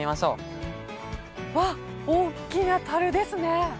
おっきなたるですね。